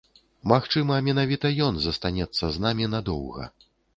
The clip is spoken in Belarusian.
Магчыма, менавіта ён застанецца з намі надоўга.